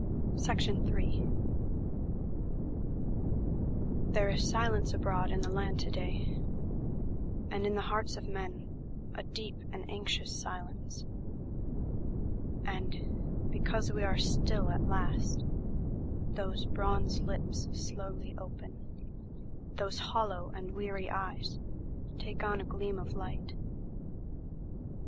IIIThere is silence abroad in the land to day, And in the hearts of men, a deep and anxious silence; And, because we are still at last, those bronze lips slowly open, Those hollow and weary eyes take on a gleam of light.